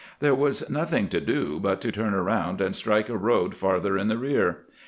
There was nothing to do but to turn around and strike a road farther in the rear.